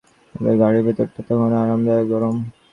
বাইরে যদি হাড়কাঁপানো শীত থাকে, তাঁদের গাড়ির ভেতরটা তখন আরামদায়ক গরম।